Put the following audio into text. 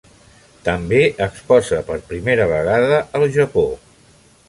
També exposa per primera vegada al Japó.